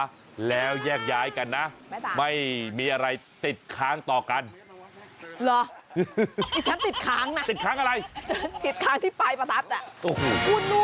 พอดีฉันเห็นปลายประทัดก่อนเห็นกู